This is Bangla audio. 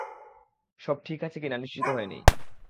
সব ঠিক আছে কি না নিশ্চিত হয়ে নেই।